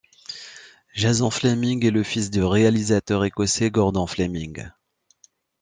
Jason Flemyng est le fils du réalisateur écossais Gordon Flemyng.